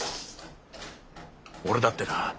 俺だってな